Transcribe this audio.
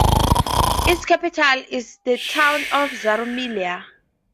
Its capital is the town of Zarumilla.